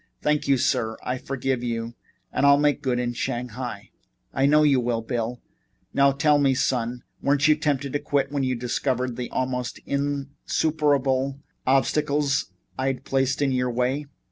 "Thank you, sir. I forgive you and I'll make good in Shanghai." "I know you will, Bill. Now, tell me, son, weren't you tempted to quit when you discovered the almost insuperable obstacles I'd placed in your way?"